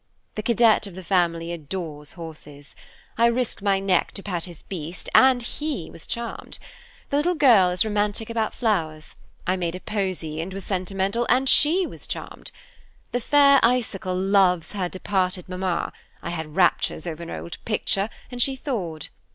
The cadet of the family adores horses. I risked my neck to pet his beast, and_ he was charmed. The little girl is romantic about flowers; I made a posy and was sentimental, and she _was charmed. The fair icicle loves her departed mamma, I had raptures over an old picture, and she thawed.